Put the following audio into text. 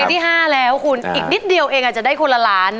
ที่๕แล้วคุณอีกนิดเดียวเองอาจจะได้คนละล้าน